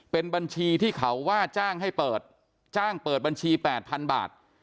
เป็นบัญชีที่เขาว่าจ้างให้เปิดจ้างเปิดบัญชี๘๐๐๐บาท